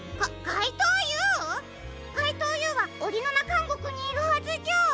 かいとうＵはオリノナかんごくにいるはずじゃ？